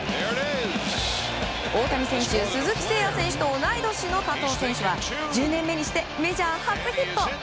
大谷選手、鈴木誠也選手と同い年の加藤選手は１０年目にしてメジャー初ヒット！